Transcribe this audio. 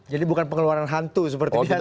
jadi bukan pengeluaran hantu seperti biasanya gitu